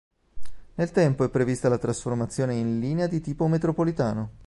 Nel tempo è prevista la trasformazione in linea di tipo metropolitano.